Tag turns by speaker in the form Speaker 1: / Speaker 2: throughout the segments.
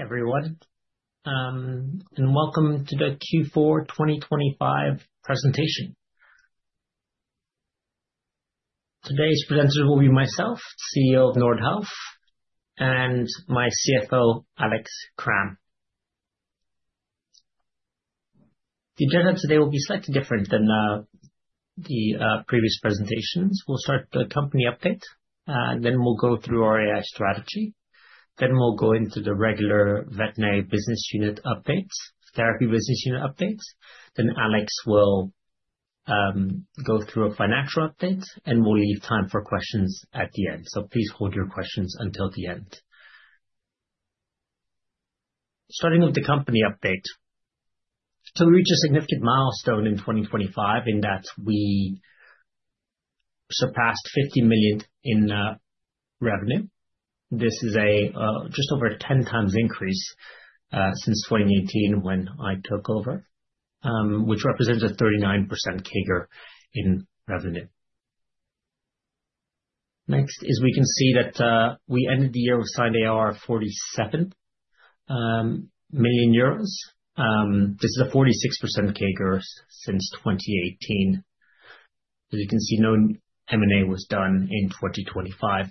Speaker 1: Hi, everyone, welcome to the Q4 2025 presentation. Today's presenters will be myself, CEO of Nordhealth, and my CFO, Alex Cram. The agenda today will be slightly different than the previous presentations. We'll start with the company update, we'll go through our AI strategy. We'll go into the regular veterinary business unit updates, therapy business unit updates. Alex will go through a financial update, we'll leave time for questions at the end. Please hold your questions until the end. Starting with the company update. We reached a significant milestone in 2025 in that we surpassed 50 million in revenue. This is just over a 10x increase since 2018 when I took over, which represents a 39% CAGR in revenue. We can see that we ended the year with signed ARR of 47 million euros. This is a 46% CAGR since 2018. As you can see, no M&A was done in 2025.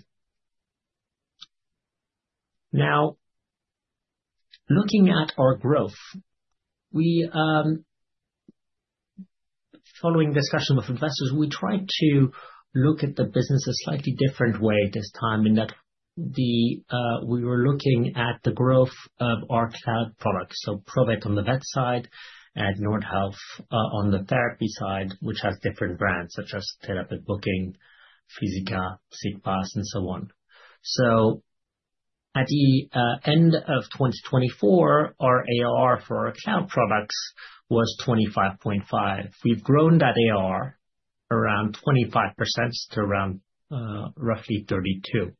Speaker 1: Looking at our growth, we following discussion with investors, we tried to look at the business a slightly different way this time in that the we were looking at the growth of our cloud products. Provet on the vet side and Nordhealth on the therapy side, which has different brands such as Therapist Booking, Physica, Psykbase, and so on. At the end of 2024, our ARR for our cloud products was 25.5. We've grown that ARR around 25% to around roughly 32.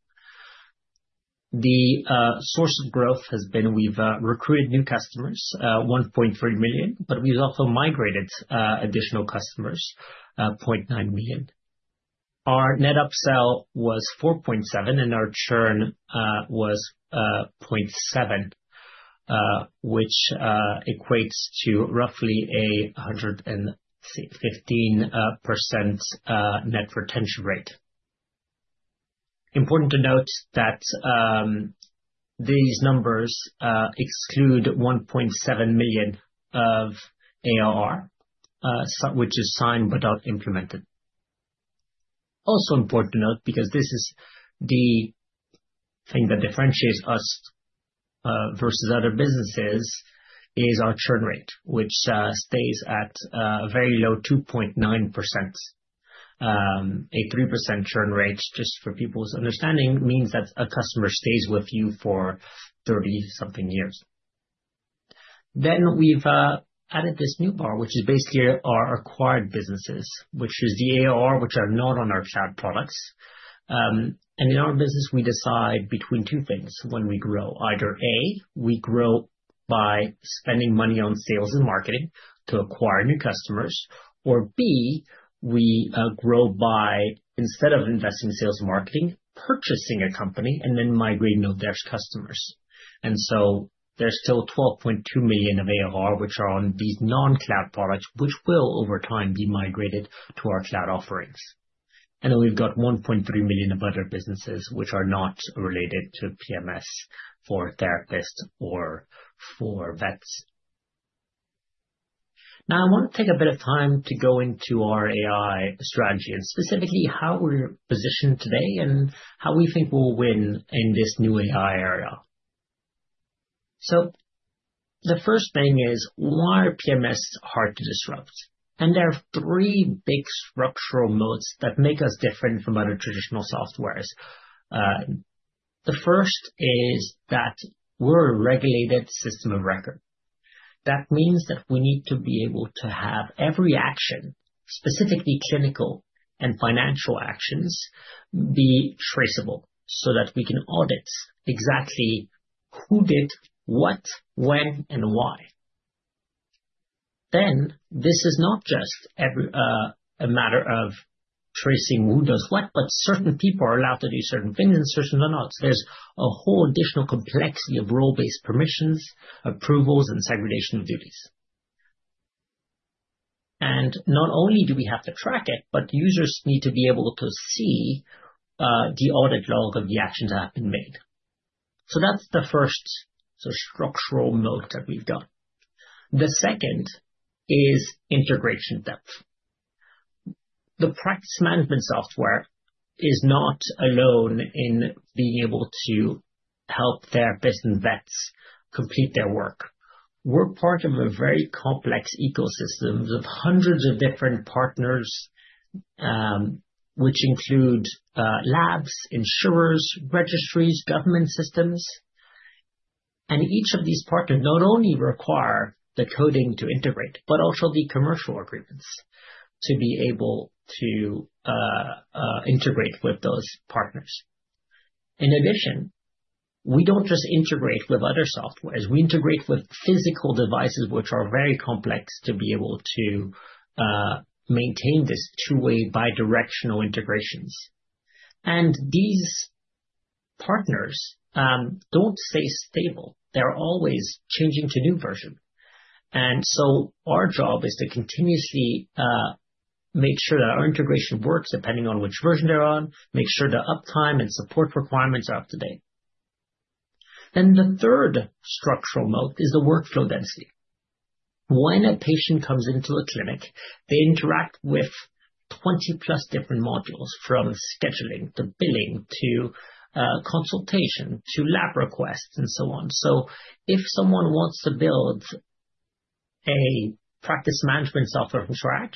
Speaker 1: The source of growth has been we've recruited new customers, 1.3 million, but we've also migrated additional customers, 0.9 million. Our net upsell was 4.7, and our churn was 0.7, which equates to roughly 115% net retention rate. Important to note that these numbers exclude 1.7 million of ARR, which is signed but not implemented. Also important to note, because this is the thing that differentiates us versus other businesses, is our churn rate, which stays at a very low 2.9%. A 3% churn rate just for people's understanding means that a customer stays with you for 30 something years. We've added this new bar, which is basically our acquired businesses, which is the ARR, which are not on our cloud products. In our business, we decide between two things when we grow. Either A, we grow by spending money on sales and marketing to acquire new customers. B, we grow by, instead of investing in sales and marketing, purchasing a company and then migrating out their customers. There's still 12.2 million of ARR which are on these non-cloud products which will over time be migrated to our cloud offerings. We've got 1.3 million of other businesses which are not related to PMS for therapists or for vets. Now, I want to take a bit of time to go into our AI strategy and specifically how we're positioned today and how we think we'll win in this new AI era. The first thing is why are PMS hard to disrupt? There are three big structural moats that make us different from other traditional softwares. The first is that we're a regulated system of record. That means that we need to be able to have every action, specifically clinical and financial actions, be traceable so that we can audit exactly who did what, when, and why. This is not just a matter of tracing who does what, but certain people are allowed to do certain things and certain are not. There's a whole additional complexity of role-based permissions, approvals, and segregation of duties. Not only do we have to track it, but users need to be able to see the audit log of the actions that have been made. That's the first structural moat that we've got. The second is integration depth. The practice management software is not alone in being able to help therapists and vets complete their work. We're part of a very complex ecosystems of hundreds of different partners, which include labs, insurers, registries, government systems. Each of these partners not only require the coding to integrate, but also the commercial agreements to be able to integrate with those partners. In addition, we don't just integrate with other softwares. We integrate with physical devices which are very complex to be able to maintain this two-way bi-directional integrations. These partners don't stay stable. They're always changing to new version. Our job is to continuously make sure that our integration works depending on which version they're on, make sure the uptime and support requirements are up to date. The third structural moat is the workflow density. When a patient comes into a clinic, they interact with 20+ different modules, from scheduling to billing, to consultation, to lab requests and so on. If someone wants to build a practice management software from scratch,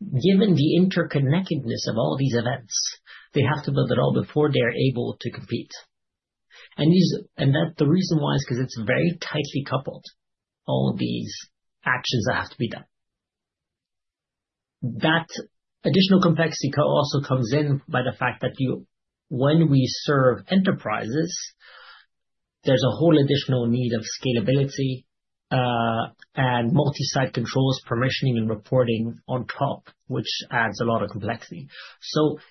Speaker 1: given the interconnectedness of all these events, they have to build it all before they're able to compete. The reason why is 'cause it's very tightly coupled, all of these actions that have to be done. That additional complexity also comes in by the fact that when we serve enterprises, there's a whole additional need of scalability, and multi-site controls, permissioning, and reporting on top, which adds a lot of complexity.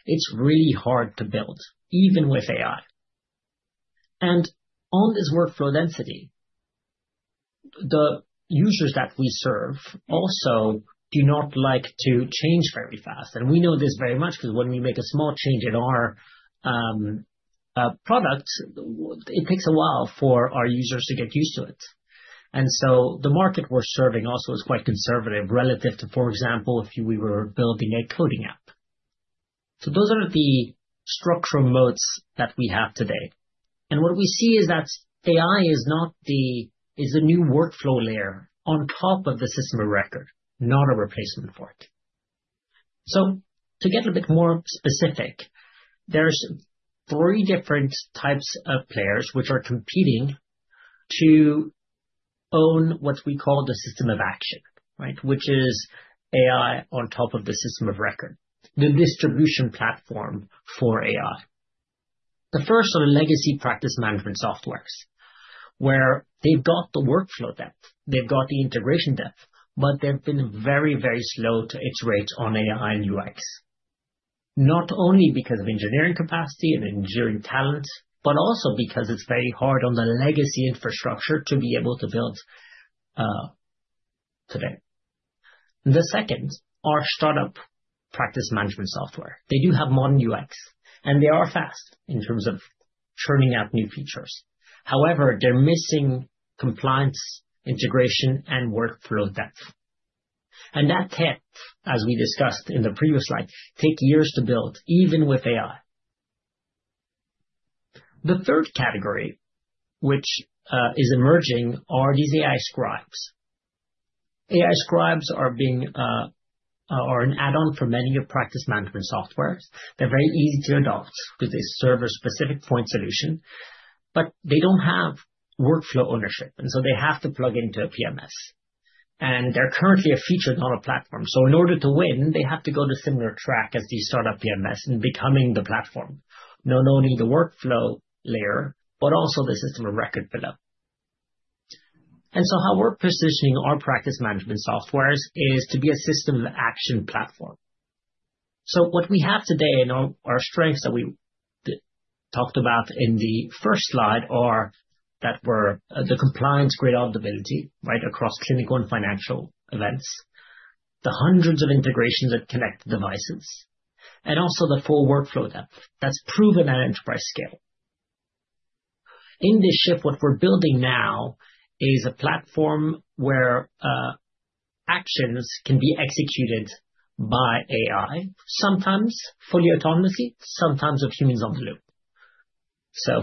Speaker 1: It's really hard to build even with AI. On this workflow density, the users that we serve also do not like to change very fast. We know this very much 'cause when we make a small change in our product, it takes a while for our users to get used to it. The market we're serving also is quite conservative relative to, for example, if we were building a coding app. Those are the structural moats that we have today. What we see is that AI is not the... Is a new workflow layer on top of the system of record, not a replacement for it. To get a bit more specific, there's three different types of players which are competing to own what we call the system of action, right? Which is AI on top of the system of record, the distribution platform for AI. The first are legacy practice management softwares, where they've got the workflow depth, they've got the integration depth, but they've been very, very slow to iterate on AI and UX. Not only because of engineering capacity and engineering talent, but also because it's very hard on the legacy infrastructure to be able to build today. The second are startup practice management software. They do have modern UX, and they are fast in terms of churning out new features. However, they're missing compliance, integration, and workflow depth. That tech, as we discussed in the previous slide, take years to build, even with AI. The third category, which is emerging are these AI Scribes. AI Scribes are an add-on for many of practice management softwares. They're very easy to adopt 'cause they serve a specific point solution, but they don't have workflow ownership, they have to plug into a PMS. They're currently a featured on a platform. In order to win, they have to go the similar track as the startup PMS in becoming the platform. Not only the workflow layer, but also the system of record for them. How we're positioning our practice management softwares is to be a system of action platform. What we have today and our strengths that we talked about in the first slide are that we're the compliance-grade auditability, right, across clinical and financial events. The hundreds of integrations that connect devices, and also the full workflow depth that's proven at enterprise scale. In this shift, what we're building now is a platform where actions can be executed by AI, sometimes fully autonomously, sometimes with humans on the loop.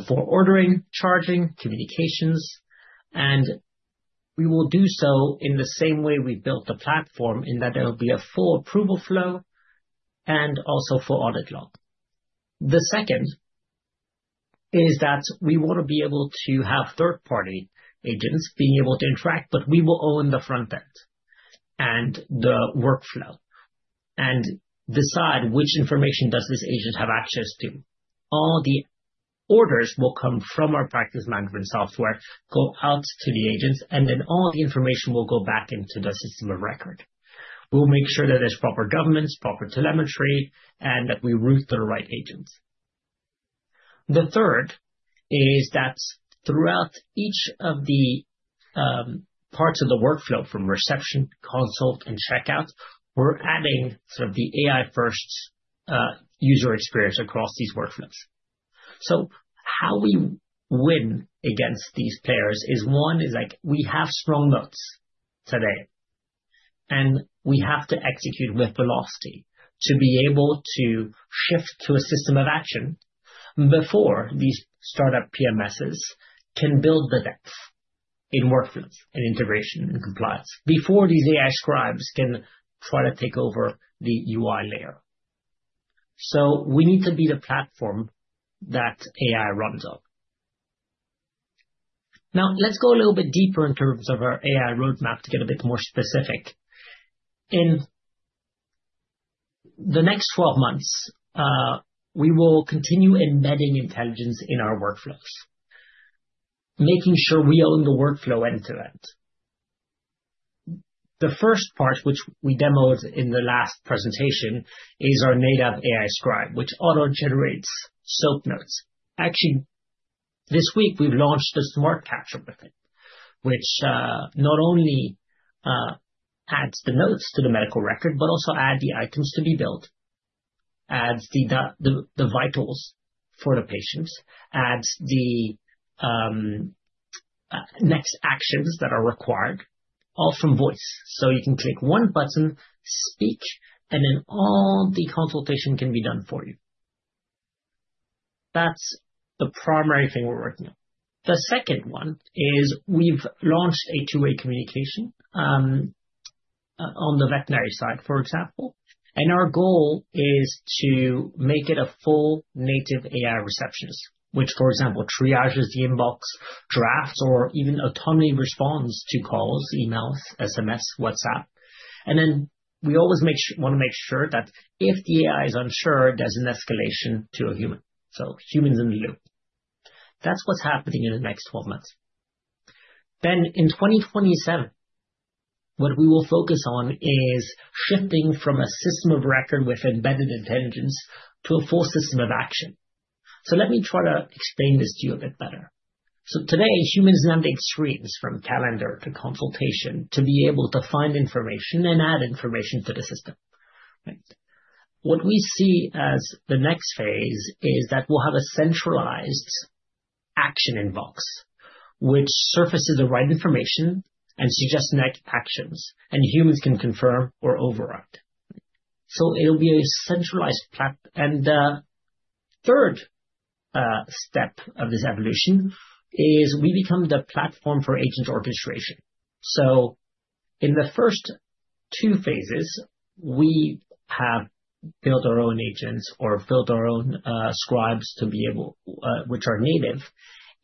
Speaker 1: For ordering, charging, communications, and we will do so in the same way we built the platform, in that there'll be a full approval flow and also full audit log. The second is that we wanna be able to have third-party agents being able to interact, but we will own the front end and the workflow and decide which information does this agent have access to. All the orders will come from our practice management software, go out to the agents, and then all the information will go back into the system of record. We'll make sure that there's proper governance, proper telemetry, and that we route the right agents. The third is that throughout each of the parts of the workflow from reception, consult, and checkout, we're adding sort of the AI-first user experience across these workflows. How we win against these players is one, is like we have strong moats today. We have to execute with velocity to be able to shift to a system of action before these startup PMSs can build the depth in workflows and integration and compliance, before these AI Scribes can try to take over the UI layer. We need to be the platform that AI runs on. Let's go a little bit deeper in terms of our AI roadmap to get a bit more specific. In the next 12 months, we will continue embedding intelligence in our workflows, making sure we own the workflow end-to-end. The first part which we demoed in the last presentation is our native AI Scribe, which auto-generates SOAP notes. Actually, this week we've launched a smart capture with it, which not only adds the notes to the medical record, but also add the items to be built, adds the vitals for the patients, adds the next actions that are required, all from voice. You can click one button, speak, all the consultation can be done for you. That's the primary thing we're working on. The second one is we've launched A2A communication on the veterinary side, for example. Our goal is to make it a full native AI receptionist, which for example, triages the inbox, drafts or even autonomy responds to calls, emails, SMS, WhatsApp. We always wanna make sure that if the AI is unsure, there's an escalation to a human. Humans in the loop. That's what's happening in the next 12 months. In 2027, what we will focus on is shifting from a system of record with embedded intelligence to a full system of action. Let me try to explain this to you a bit better. Today, humans jump extremes from calendar to consultation to be able to find information and add information to the system. Right? What we see as the next phase is that we'll have a centralized action inbox which surfaces the right information and suggests next actions, and humans can confirm or override. It'll be a centralized. The third step of this evolution is we become the platform for agent orchestration. In the first two phases, we have built our own agents or built our own scribes to be able, which are native.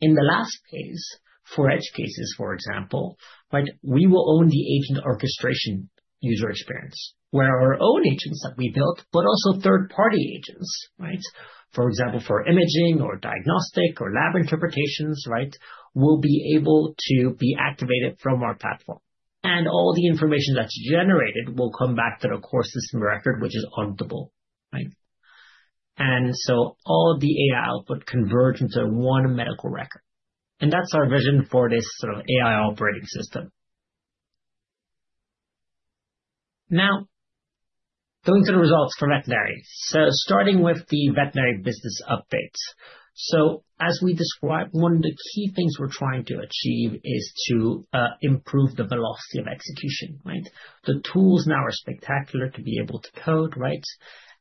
Speaker 1: In the last phase, for edge cases, for example, right, we will own the agent orchestration user experience, where our own agents that we built, but also third-party agents, right? For example, for imaging or diagnostic or lab interpretations, right? Will be able to be activated from our platform. All the information that's generated will come back to the core system record, which is auditable, right? All the AI output converge into one medical record. And that's our vision for this sort of AI operating system. Now, going to the results for veterinary. Starting with the veterinary business updates. As we described, one of the key things we're trying to achieve is to improve the velocity of execution, right? The tools now are spectacular to be able to code, right?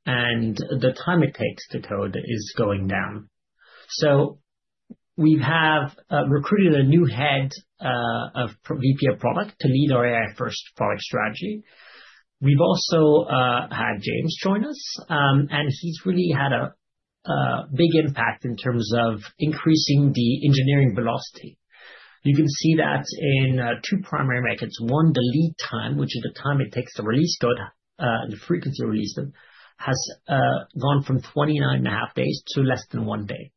Speaker 1: The time it takes to code is going down. We have recruited a new VP of Product to lead our AI first product strategy. We've also had James join us. He's really had a big impact in terms of increasing the engineering velocity. You can see that in two primary records. One, the lead time, which is the time it takes to release code, and the frequency to release them, has gone from 29.5 Days to less than one day.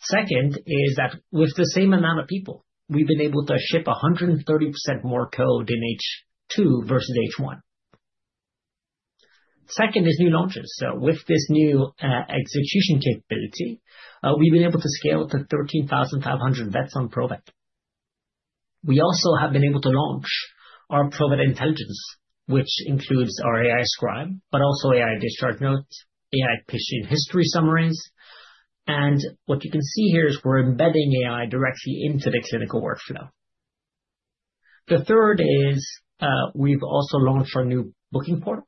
Speaker 1: Second is that with the same amount of people, we've been able to ship 130% more code in H2 versus H1. Second is new launches. With this new execution capability, we've been able to scale to 13,500 vets on Provet. We also have been able to launch our Provet Intelligence, which includes our AI Scribe, but also AI discharge notes, AI patient history summaries. What you can see here is we're embedding AI directly into the clinical workflow. The third is, we've also launched our new booking port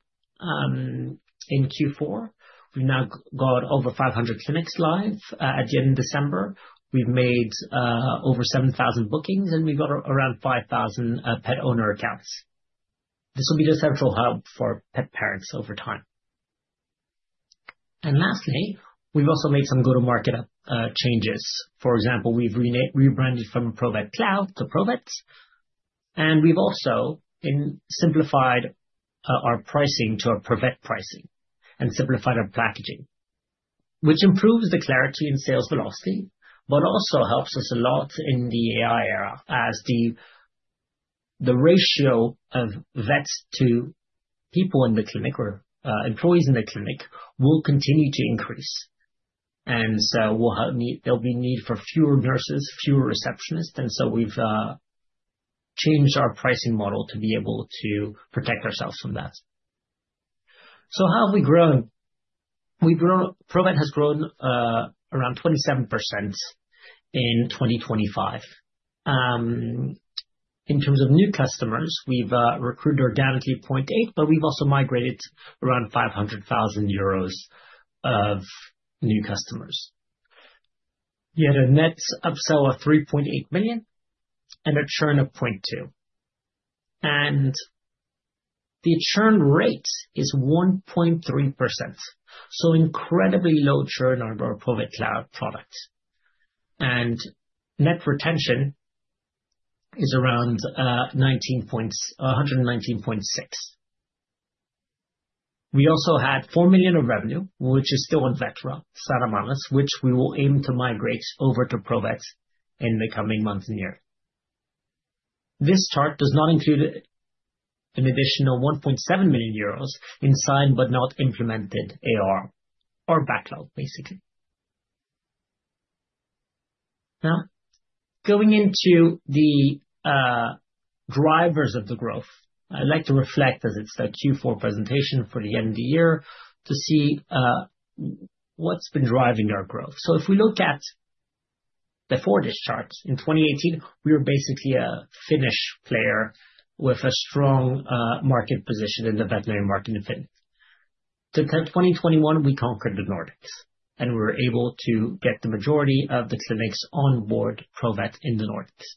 Speaker 1: in Q4. We've now got over 500 clinics live at the end of December. We've made over 7,000 bookings, and we've got around 5,000 pet owner accounts. This will be the central hub for pet parents over time. Lastly, we've also made some go-to-market changes. For example, we've rebranded from Provet Cloud to Provet. We've also simplified our pricing to our Provet pricing and simplified our packaging. Which improves the clarity and sales velocity, but also helps us a lot in the AI era as the ratio of vets to people in the clinic or employees in the clinic will continue to increase. We'll have there'll be need for fewer nurses, fewer receptionists, and so we've changed our pricing model to be able to protect ourselves from that. How have we grown? Provet has grown around 27% in 2025. In terms of new customers, we've recruited our down to 0.8, but we've also migrated around 500,000 euros of new customers. We had a net upsell of 3.8 million and a churn of 0.2 million. The churn rate is 1.3%, so incredibly low churn on our Provet Cloud product. Net retention is around 119.6%. We also had 4 million of revenue, which is still in Vetera, Sanimalis, which we will aim to migrate over to Provet in the coming months and year. This chart does not include an additional 1.7 million euros in signed but not implemented AR or backlog, basically. Going into the drivers of the growth, I'd like to reflect as it's the Q4 presentation for the end of the year to see what's been driving our growth. If we look at the four disk charts, in 2018, we were basically a Finnish player with a strong market position in the veterinary market in Finland. To 2021, we conquered the Nordics, and we were able to get the majority of the clinics on board Provet in the Nordics.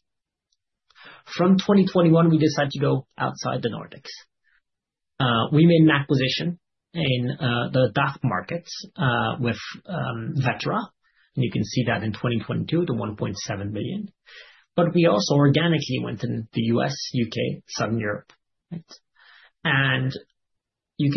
Speaker 1: From 2021, we decided to go outside the Nordics. We made an acquisition in the DACH markets with Vetera. You can see that in 2022, the 1.7 billion. We also organically went in the U.S., U.K., Southern Europe. You can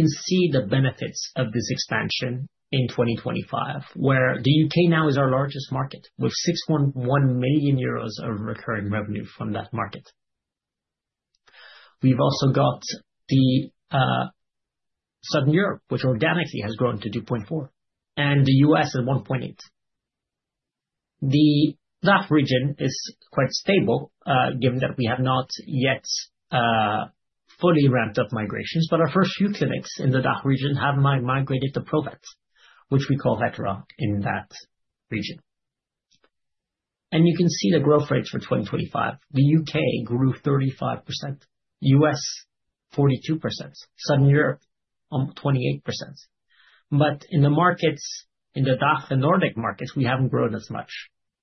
Speaker 1: see the benefits of this expansion in 2025, where the U.K. now is our largest market, with 6.1 million euros of recurring revenue from that market. We've also got the Southern Europe, which organically has grown to 2.4 million, and the U.S. at 1.8 million. The DACH region is quite stable, given that we have not yet fully ramped up migrations. Our first few clinics in the DACH region have migrated to Provet, which we call Vetera in that region. You can see the growth rates for 2025. The U.K. grew 35%, U.S. 42%, Southern Europe 28%. In the markets, in the DACH and Nordic markets, we haven't grown as much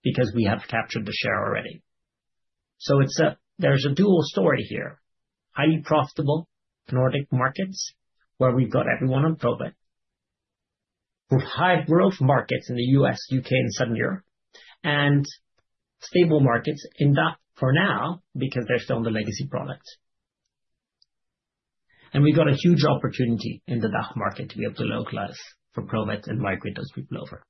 Speaker 1: because we have captured the share already. It's a dual story here. Highly profitable Nordic markets, where we've got everyone on Provet, with high growth markets in the U.S., U.K., and Southern Europe, and stable markets in DACH for now because they're still on the legacy product. We got a huge opportunity in the DACH market to be able to localize for Provet and migrate those people over.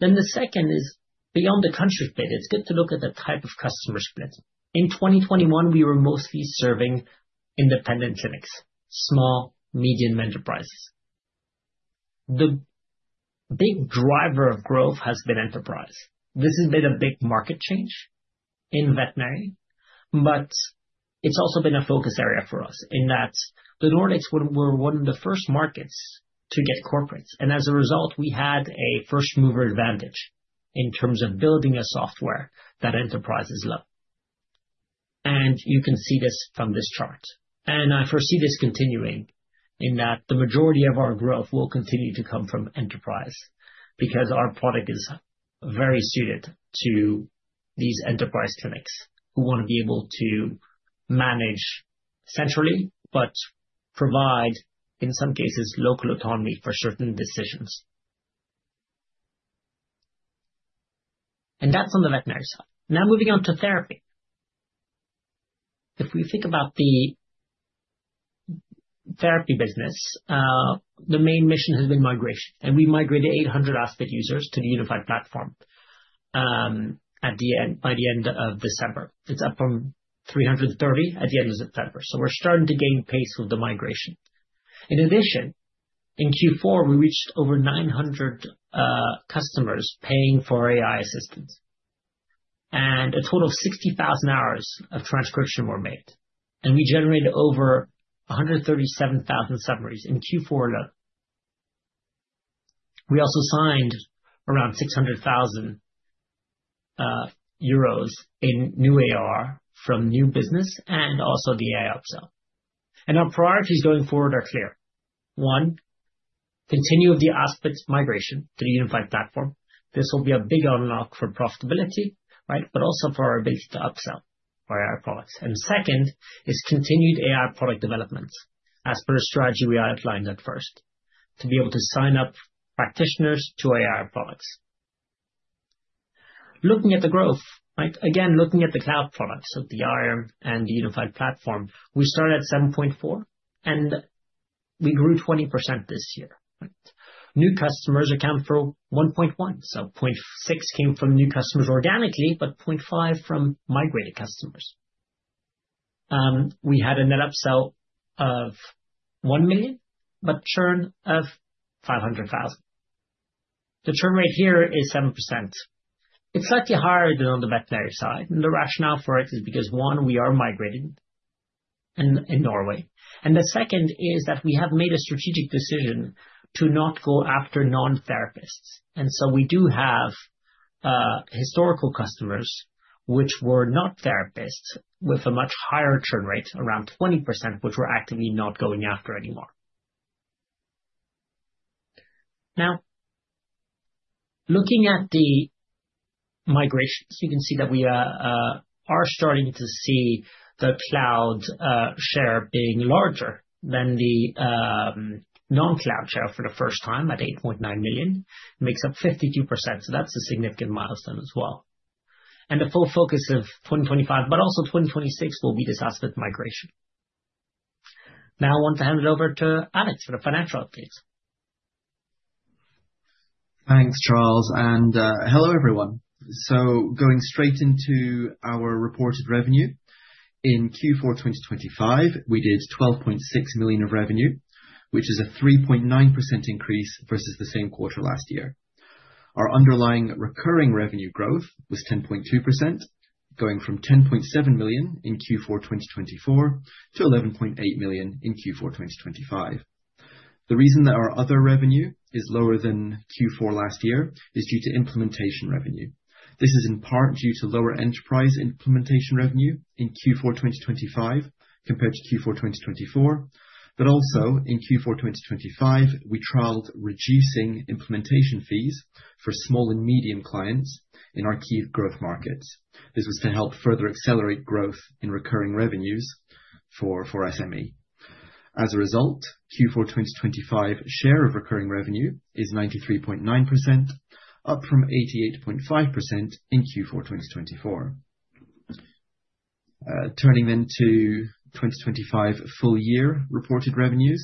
Speaker 1: The second is beyond the country split, it's good to look at the type of customer split. In 2021, we were mostly serving independent clinics, small, medium enterprises. The big driver of growth has been enterprise. This has been a big market change in veterinary, but it's also been a focus area for us in that the Nordics were one of the first markets to get corporates. As a result, we had a first-mover advantage in terms of building a software that enterprises love. You can see this from this chart. I foresee this continuing in that the majority of our growth will continue to come from enterprise because our product is very suited to these enterprise clinics who wanna be able to manage centrally but provide, in some cases, local autonomy for certain decisions. That's on the veterinary side. Now moving on to therapy. If we think about the therapy business, the main mission has been migration. We migrated 800 Aspit users to the unified platform by the end of December. It's up from 330 at the end of September. We're starting to gain pace with the migration. In addition, in Q4, we reached over 900 customers paying for AI assistance, and a total of 60,000 hours of transcription were made. We generated over 137,000 summaries in Q4 alone. We also signed around 600,000 euros in new AR from new business and also the AI upsell. Our priorities going forward are clear. One, continue with the Aspit's migration to the unified platform. This will be a big unlock for profitability, right? Also for our ability to upsell our AI products. Second is continued AI product development as per the strategy we outlined at first, to be able to sign up practitioners to AI products. Looking at the growth, right? Again, looking at the cloud products, so the IR and the unified platform, we started at 7.4, and we grew 20% this year. New customers account for 1.1. 0.6 came from new customers organically, but 0.5 from migrated customers. We had a net upsell of 1 million, but churn of 500,000. The churn rate here is 7%. It's slightly higher than on the veterinary side. The rationale for it is because, one, we are migrating in Norway. The second is that we have made a strategic decision to not go after non-therapists. We do have historical customers which were not therapists with a much higher churn rate, around 20%, which we're actively not going after anymore. Looking at the migrations, you can see that we are starting to see the cloud share being larger than the non-cloud share for the first time at 8.9 million. Makes up 52%, so that's a significant milestone as well. The full focus of 2025, but also 2026 will be disaster migration. Now I want to hand it over to Alex for the financial update.
Speaker 2: Thanks, Charles, and hello, everyone. Going straight into our reported revenue. In Q4 2025, we did 12.6 million of revenue, which is a 3.9% increase versus the same quarter last year. Our underlying recurring revenue growth was 10.2%, going from 10.7 million in Q4 2024 to 11.8 million in Q4 2025. The reason that our other revenue is lower than Q4 last year is due to implementation revenue. This is in part due to lower enterprise implementation revenue in Q4 2025 compared to Q4 2024, but also in Q4 2025, we trialed reducing implementation fees for small and medium clients in our key growth markets. This was to help further accelerate growth in recurring revenues for SME. As a result, Q4 2025 share of recurring revenue is 93.9%, up from 88.5% in Q4 2024. Turning to 2025 full year reported revenues.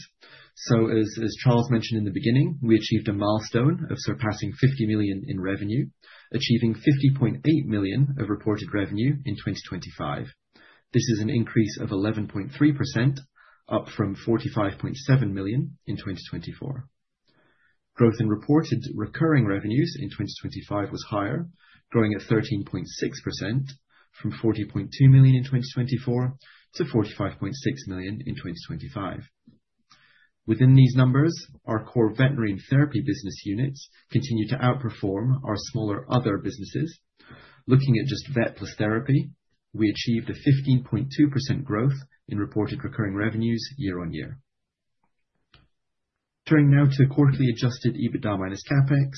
Speaker 2: As Charles mentioned in the beginning, we achieved a milestone of surpassing 50 million in revenue, achieving 50.8 million of reported revenue in 2025. This is an increase of 11.3% up from 45.7 million in 2024. Growth in reported recurring revenues in 2025 was higher, growing at 13.6% from 40.2 million in 2024 to 45.6 million in 2025. Within these numbers, our core veterinary and therapy business units continue to outperform our smaller other businesses. Looking at just Vet plus therapy, we achieved a 15.2% growth in reported recurring revenues year-on-year. Turning now to quarterly Adjusted EBITDA minus CapEx.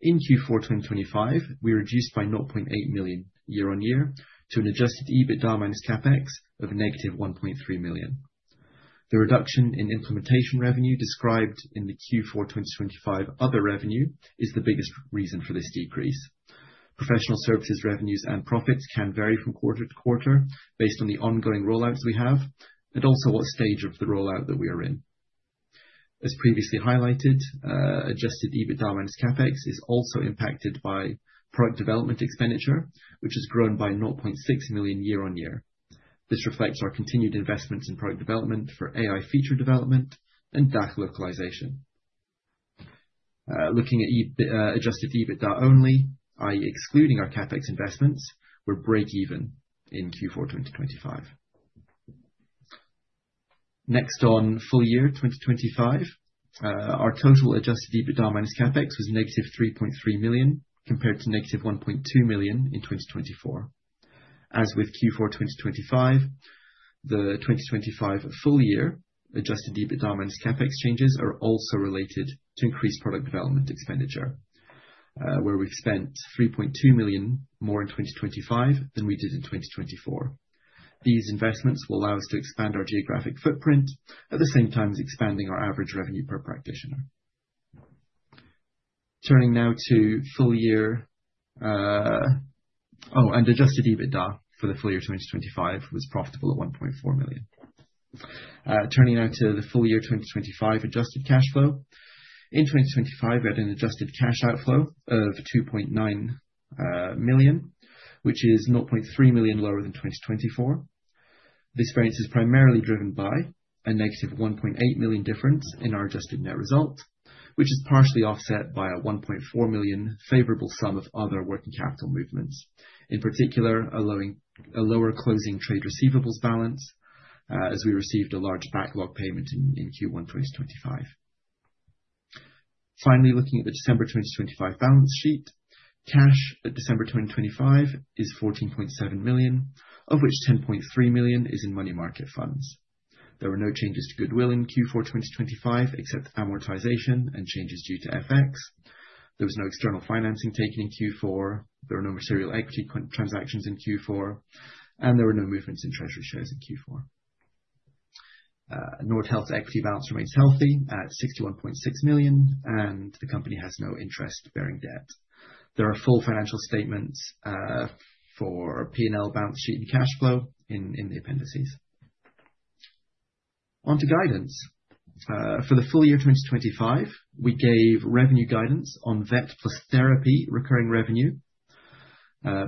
Speaker 2: In Q4 2025, we reduced by 0.8 million year-on-year to an Adjusted EBITDA minus CapEx of -1.3 million. The reduction in implementation revenue described in the Q4 2025 other revenue is the biggest reason for this decrease. Professional services revenues and profits can vary from quarter-to-quarter based on the ongoing rollouts we have and also what stage of the rollout that we are in. As previously highlighted, Adjusted EBITDA minus CapEx is also impacted by product development expenditure, which has grown by 0.6 million year-on-year. This reflects our continued investments in product development for AI feature development and DACH localization. Looking at Adjusted EBITDA only, i.e., excluding our CapEx investments, we're break even in Q4 2025. On full year 2025. Our total Adjusted EBITDA minus CapEx was -3.3 million compared to -1.2 million in 2024. As with Q4 2025, the 2025 full year Adjusted EBITDA minus CapEx changes are also related to increased product development expenditure, where we've spent 3.2 million more in 2025 than we did in 2024. These investments will allow us to expand our geographic footprint at the same time as expanding our average revenue per practitioner. Turning now to full year. Adjusted EBITDA for the full year 2025 was profitable at 1.4 million. Turning now to the full year 2025 adjusted cash flow. In 2025, we had an adjusted cash outflow of 2.9 million, which is nought point three million lower than 2024. This variance is primarily driven by a -1.8 million difference in our adjusted net result, which is partially offset by a 1.4 million favorable sum of other working capital movements, in particular a lower closing trade receivables balance, as we received a large backlog payment in Q1 2025. Finally, looking at the December 2025 balance sheet. Cash at December 2025 is 14.7 million, of which 10.3 million is in money market funds. There were no changes to goodwill in Q4 2025 except amortization and changes due to FX. There was no external financing taken in Q4. There were no material equity transactions in Q4. There were no movements in treasury shares in Q4. Nordhealth's equity balance remains healthy at 61.6 million, and the company has no interest-bearing debt. There are full financial statements for P&L balance sheet and cash flow in the appendices. On to guidance. For the full year 2025, we gave revenue guidance on vet plus therapy recurring revenue,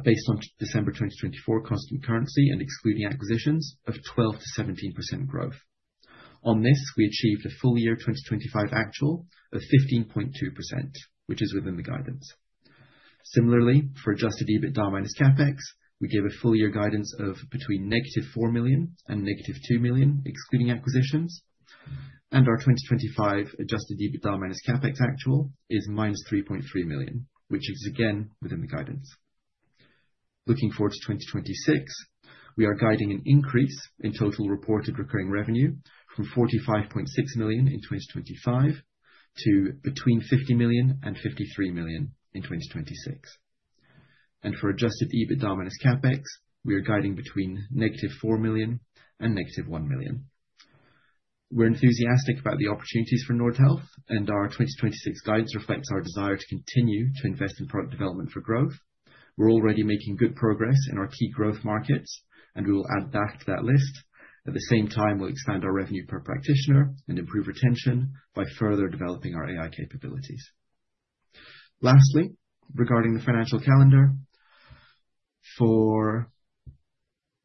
Speaker 2: based on December 2024 constant currency and excluding acquisitions of 12%-17% growth. On this, we achieved a full year 2025 actual of 15.2%, which is within the guidance. Similarly, for Adjusted EBITDA minus CapEx, we gave a full year guidance of between -4 million and -2 million, excluding acquisitions. Our 2025 Adjusted EBITDA minus CapEx actual is -3.3 million, which is again within the guidance. Looking forward to 2026, we are guiding an increase in total reported recurring revenue from 45.6 million in 2025 to between 50 million and 53 million in 2026. For Adjusted EBITDA minus CapEx, we are guiding between -4 million and -1 million. We're enthusiastic about the opportunities for Nordhealth, and our 2026 guidance reflects our desire to continue to invest in product development for growth. We're already making good progress in our key growth markets, and we will add back to that list. At the same time, we'll expand our revenue per practitioner and improve retention by further developing our AI capabilities. Lastly, regarding the financial calendar for...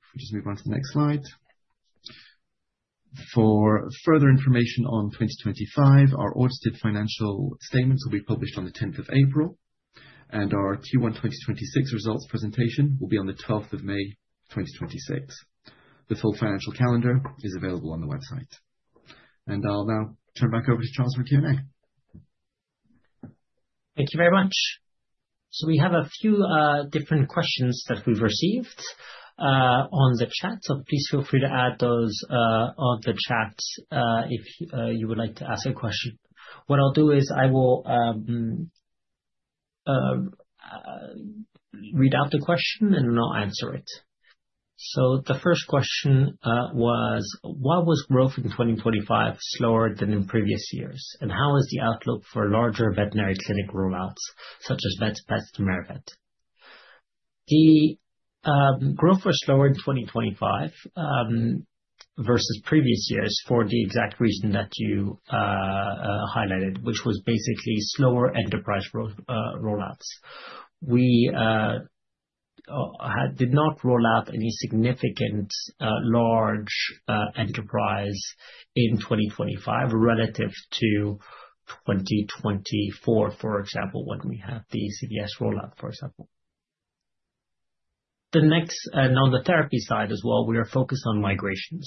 Speaker 2: If we just move on to the next slide. For further information on 2025, our audited financial statements will be published on the 10th of April. Our Q1 2026 results presentation will be on the 12th of May, 2026. The full financial calendar is available on the website. I'll now turn back over to Charles for Q&A.
Speaker 1: Thank you very much. We have a few different questions that we've received on the chat, so please feel free to add those on the chat if you would like to ask a question. What I'll do is I will read out the question and not answer it. The first question was: Why was growth in 2025 slower than in previous years, and how is the outlook for larger veterinary clinic rollouts such as Vet's Best, Medivet? The growth was slower in 2025 versus previous years for the exact reason that you highlighted, which was basically slower enterprise rollouts. We did not roll out any significant large enterprise in 2025 relative to 2024, for example, when we had the CVS rollout, for example. And on the therapy side as well, we are focused on migration.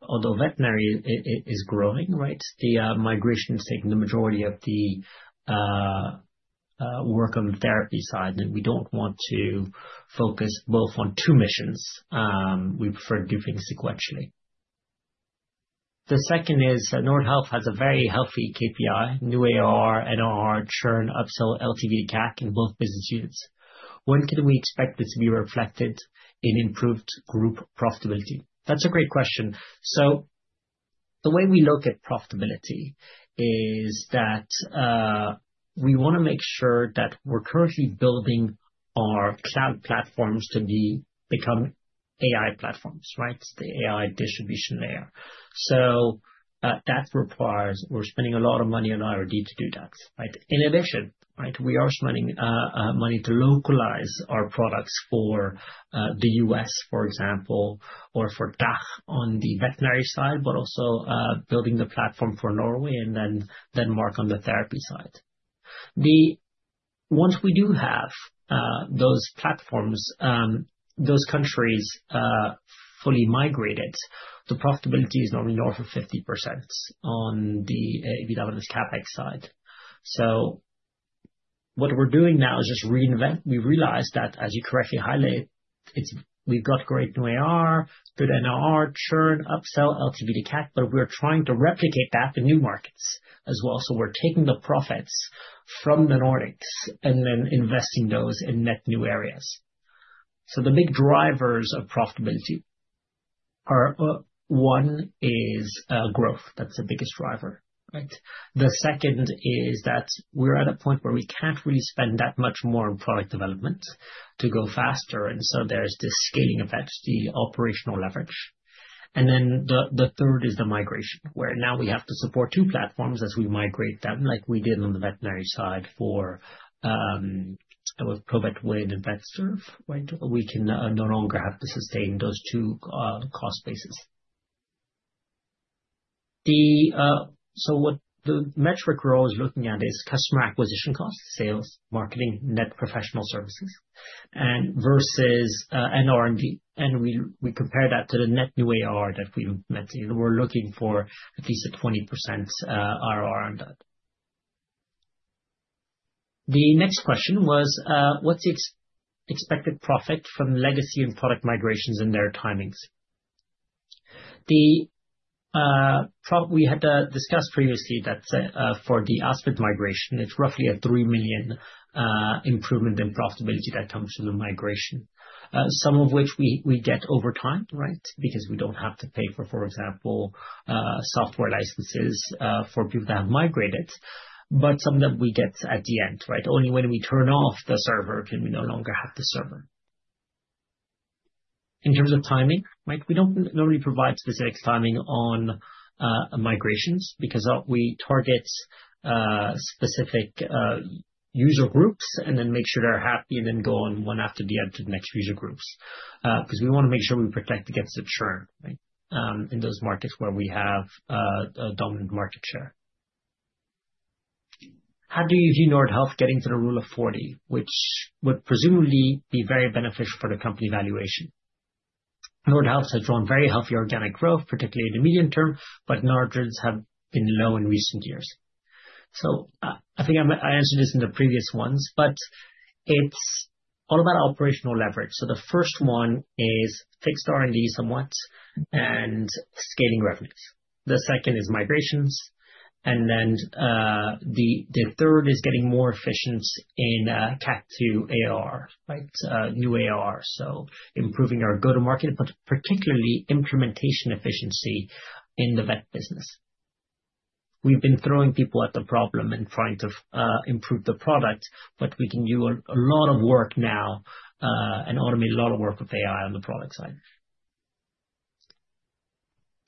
Speaker 1: Although veterinary is growing, right, the migration is taking the majority of the work on the therapy side, and we don't want to focus both on two missions. We prefer doing sequentially. The second is that Nordhealth has a very healthy KPI, new ARR, NRR, churn, upsell, LTV, CAC in both business units. When can we expect this to be reflected in improved group profitability? That's a great question. The way we look at profitability is that we wanna make sure that we're currently building our cloud platforms to become AI platforms, right? The AI distribution layer. That requires... We're spending a lot of money on R&D to do that, right? In addition, right, we are spending money to localize our products for the U.S., for example, or for DACH on the veterinary side, but also building the platform for Norway and Denmark on the therapy side. Once we do have those platforms, those countries fully migrated, the profitability is normally north of 50% on the AWS CapEx side. What we're doing now is just reinvent. We realized that, as you correctly highlighted, we've got great new ARR, good NRR, churn, upsell, LTV to CAC, but we're trying to replicate that in new markets as well. We're taking the profits from the Nordics and then investing those in net new areas. The big drivers of profitability are, one is growth. That's the biggest driver, right. The second is that we're at a point where we can't really spend that much more on product development to go faster, there's this scaling effect, the operational leverage. The third is the migration, where now we have to support two platforms as we migrate them, like we did on the veterinary side for, it was Provet.WIN And Vetserve, right? We can no longer have to sustain those two cost bases. What the metric we're always looking at is customer acquisition costs, sales, marketing, net professional services, versus R&D, we compare that to the net new ARR that we implemented. We're looking for at least a 20% ROR on that. The next question was: What's the expected profit from legacy and product migrations and their timings? We had discussed previously that for the Aspit migration, it's roughly a 3 million improvement in profitability that comes from the migration. Some of which we get over time, right? We don't have to pay for example, software licenses for people that have migrated, but some that we get at the end, right? Only when we turn off the server can we no longer have the server. In terms of timing, right, we don't normally provide specific timing on migrations because we target specific user groups and then make sure they're happy and then go on one after the other to the next user groups. 'Cause we wanna make sure we protect against the churn, right, in those markets where we have a dominant market share. How do you view Nordhealth getting to the Rule of 40, which would presumably be very beneficial for the company valuation? Nordhealth has shown very healthy organic growth, particularly in the medium term, margins have been low in recent years. I think I answered this in the previous ones, it's all about operational leverage. The first one is fixed R&D somewhat and scaling revenues. The second is migrations. The third is getting more efficient in CAC to ARR, right? New ARR. Improving our go-to-market, particularly implementation efficiency in the vet business. We've been throwing people at the problem and trying to improve the product, we can do a lot of work now and automate a lot of work with AI on the product side.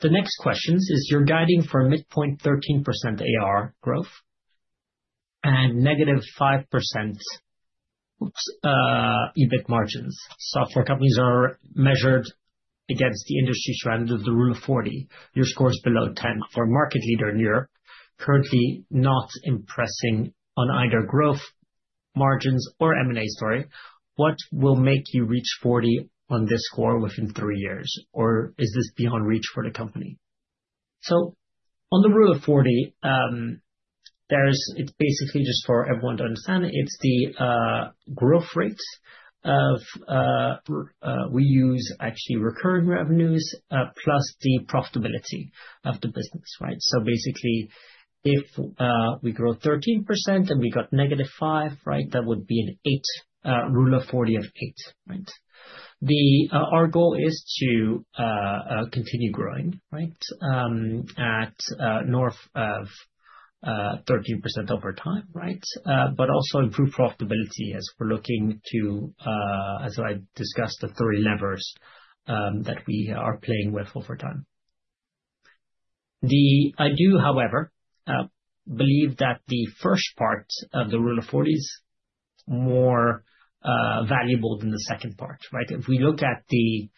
Speaker 1: The next question is, you're guiding for a midpoint 13% ARR growth and -5% EBIT margins. Software companies are measured against the industry trend of the Rule of 40. Your score is below 10 for a market leader in Europe currently not impressing on either growth margins or M&A story. What will make you reach 40 on this score within three years? Or is this beyond reach for the company? On the Rule of 40, it's basically just for everyone to understand. It's the growth rates of, we use actually recurring revenues, plus the profitability of the business, right? Basically, if we grow 13% and we got -5%, right? That would be an eight Rule of 40 of eight, right? The our goal is to continue growing, right? At north of 13% over time, right? Also improve profitability as we're looking to, as I discussed, the three levers that we are playing with over time. I do, however, believe that the first part of the Rule of 40 is more valuable than the second part, right? If we look at the,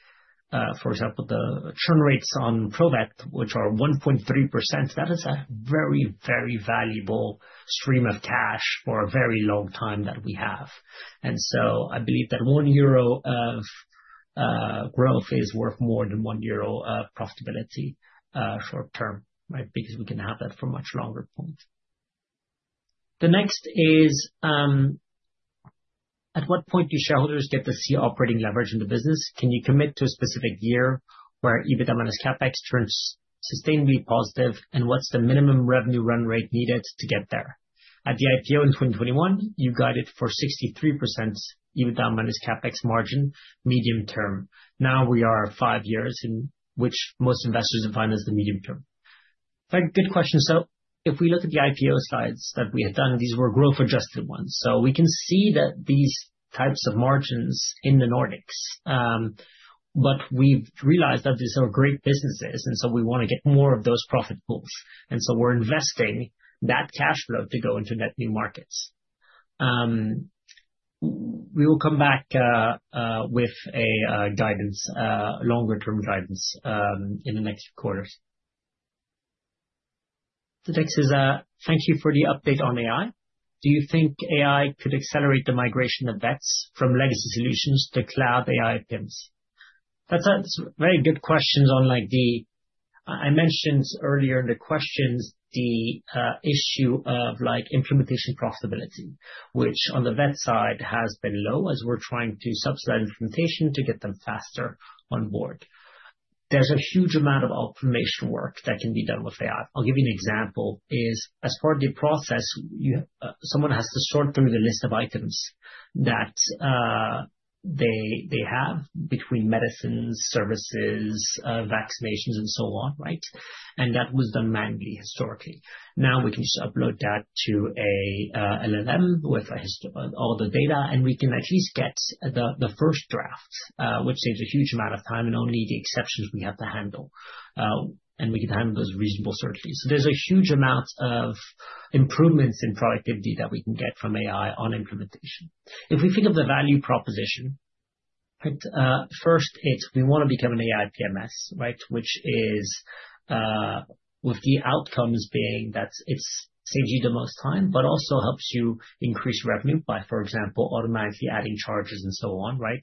Speaker 1: for example, the churn rates on Provet, which are 1.3%, that is a very, very valuable stream of cash for a very long time that we have. I believe that 1 euro of growth is worth more than 1 euro of profitability short-term, right? Because we can have that for much longer point. The next is, at what point do shareholders get to see operating leverage in the business? Can you commit to a specific year where EBITDA minus CapEx turns sustainably positive? What's the minimum revenue run rate needed to get there? At the IPO in 2021, you guided for 63% EBITDA minus CapEx margin medium term. Now we are five years, in which most investors define as the medium term. Right. Good question. If we look at the IPO slides that we had done, these were growth-adjusted ones. We can see that these types of margins in the Nordics, but we've realized that these are great businesses, we wanna get more of those profit pools. We're investing that cash flow to go into net new markets. We will come back with a guidance, longer term guidance, in the next quarters. The next is, thank you for the update on AI. Do you think AI could accelerate the migration of vets from legacy solutions to cloud AI PMS? That's a very good question on, like, I mentioned earlier in the questions the issue of, like, implementation profitability. Which on the vet side has been low as we're trying to subsidize implementation to get them faster on board. There's a huge amount of automation work that can be done with AI. I'll give you an example. Is as part of the process you someone has to sort through the list of items that they have between medicines, services, vaccinations and so on, right? Now we can just upload that to a LLM with all the data, we can at least get the first draft, which saves a huge amount of time and only the exceptions we have to handle. We can handle those reasonable searches. There's a huge amount of improvements in productivity that we can get from AI on implementation. If we think of the value proposition, right? First, it's we wanna become an AI PMS, right? Which is, with the outcomes being that it saves you the most time, also helps you increase revenue by, for example, automatically adding charges and so on, right?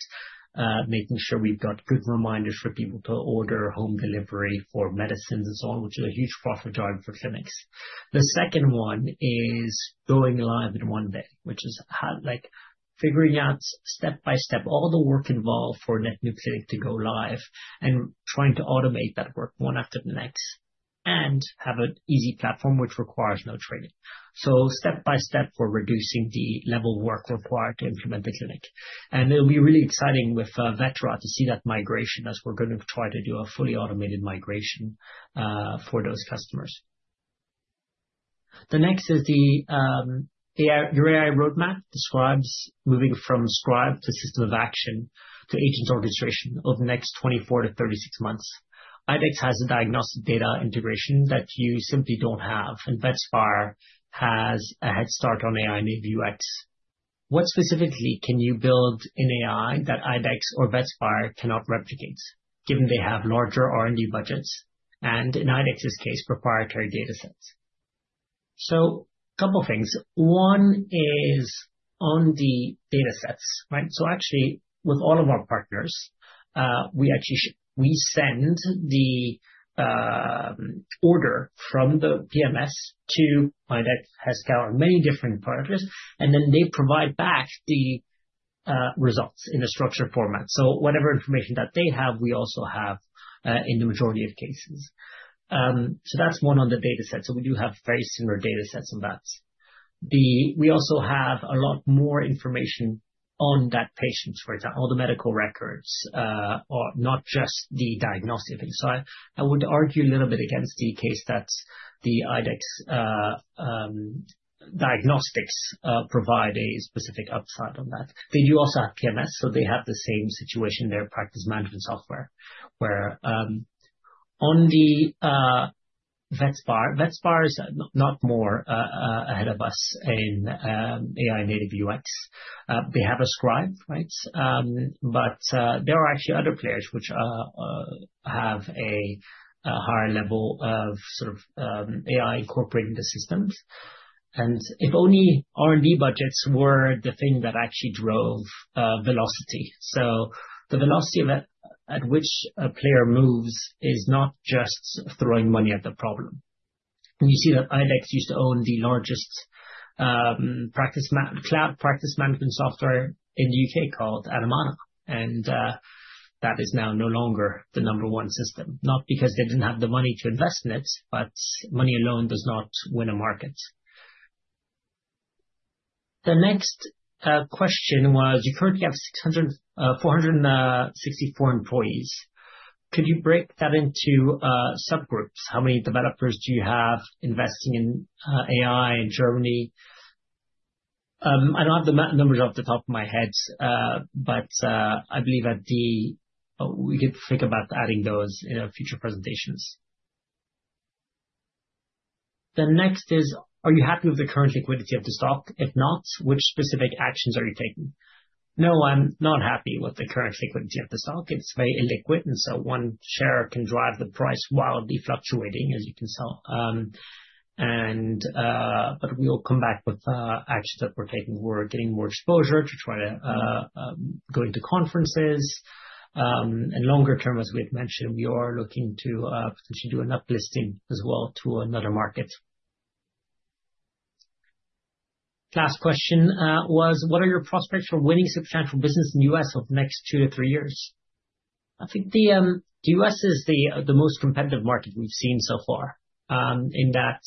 Speaker 1: Making sure we've got good reminders for people to order home delivery for medicines and so on, which is a huge profit driver for clinics. The second one is going live in one day. Which is like figuring out step by step all the work involved for a net new clinic to go live and trying to automate that work one after the next, have an easy platform which requires no training. Step by step, we're reducing the level of work required to implement the clinic. It'll be really exciting with Vetera to see that migration as we're gonna try to do a fully automated migration for those customers. The next is the AI. Your AI roadmap describes moving from scribe to system of action to agent orchestration over the next 24-36 months. IDEXX has a diagnostic data integration that you simply don't have, Vetspire has a head start on AI-native UX. What specifically can you build in AI that IDEXX or Vetspire cannot replicate, given they have larger R&D budgets, and in IDEXX's case, proprietary datasets? Couple things. One is on the datasets, right? Actually with all of our partners, we actually we send the order from the PMS to IDEXX, Heska, or many different partners, and then they provide back the results in a structured format. Whatever information that they have, we also have in the majority of cases. That's one on the dataset. We do have very similar datasets on vets. We also have a lot more information. On that patient, for example, the medical records are not just the diagnostic insight. I would argue a little bit against the case that the IDEXX diagnostics provide a specific upside on that. You also have PMS, they have the same situation, their practice management software, where on the Vetspire. Vetspire is not more ahead of us in AI-native UX. They have a scribe, right? There are actually other players which are have a higher level of sort of AI incorporating the systems. If only R&D budgets were the thing that actually drove velocity. The velocity of that at which a player moves is not just throwing money at the problem. You see that IDEXX used to own the largest cloud practice management software in the U.K. called Animana, that is now no longer the number one system, not because they didn't have the money to invest in it, money alone does not win a market. The next question was, you currently have 464 employees. Could you break that into subgroups? How many developers do you have investing in AI in Germany? I don't have the numbers off the top of my head, but we could think about adding those in our future presentations. The next is, are you happy with the current liquidity of the stock? If not, which specific actions are you taking? No, I'm not happy with the current liquidity of the stock. It's very illiquid. One share can drive the price wildly fluctuating, as you can tell. We will come back with actions that we're taking. We're getting more exposure to try to going to conferences. Longer term, as we had mentioned, we are looking to potentially do an uplisting as well to another market. Last question was what are your prospects for winning substantial business in the U.S. over the next two to three years? I think the U.S. is the most competitive market we've seen so far, in that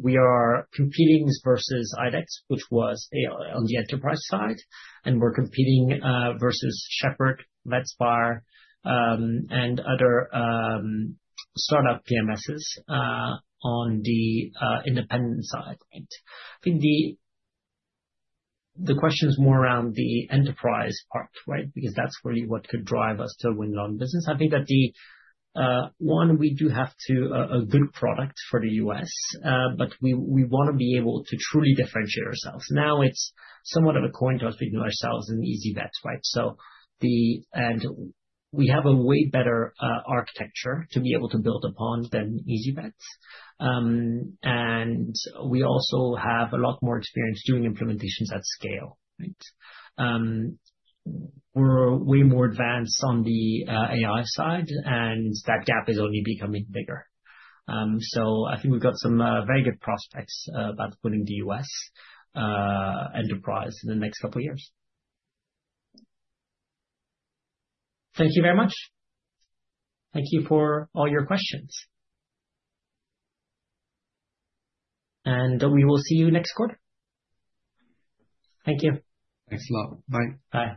Speaker 1: we are competing versus IDEXX, which was AI on the enterprise side, and we're competing versus Shepherd, Vetspire, and other startup PMSs on the independent side. I think the question is more around the enterprise part, right? That's really what could drive us to win long business. I think that one, we do have a good product for the U.S., we wanna be able to truly differentiate ourselves. It's somewhat of a coin toss between ourselves and ezyVet, right? We have a way better architecture to be able to build upon than ezyVet. We also have a lot more experience doing implementations at scale, right? We're way more advanced on the AI side, that gap is only becoming bigger. I think we've got some very good prospects about putting the U.S. enterprise in the next couple of years. Thank you very much. Thank you for all your questions. We will see you next quarter. Thank you.
Speaker 2: Thanks a lot. Bye.
Speaker 1: Bye.